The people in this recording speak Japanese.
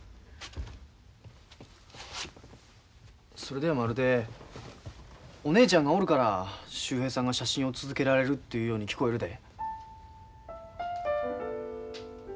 それではまるでお姉ちゃんがおるから秀平さんが写真を続けられるというように聞こえるで。